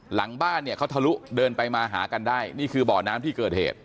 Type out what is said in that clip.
หลังบ้านเนี่ยเขาทะลุเดินไปมาหากันได้นี่คือบ่อน้ำที่เกิดเหตุ